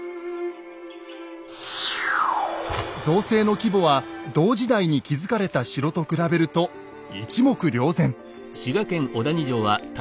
造成の規模は同時代に築かれた城と比べると一目瞭然。